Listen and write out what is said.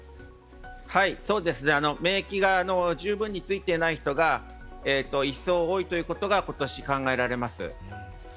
はい、免疫が十分についていない人が一層多いことが今年、考えられます。